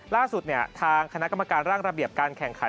ล่าสุดทางคณะกรรมการร่างระเบียบการแข่งขัน